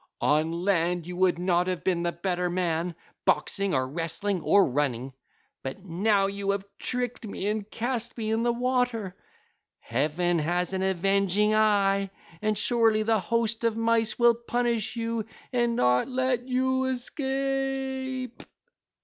On land you would not have been the better man, boxing, or wrestling, or running; but now you have tricked me and cast me in the water. Heaven has an avenging eye, and surely the host of Mice will punish you and not let you escape.